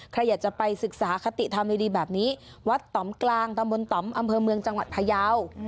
ใครอยากจะไปศึกษาคติธรรมดีแบบนี้วัดต่อมกลางตำบลต่อมอำเภอเมืองจังหวัดพยาว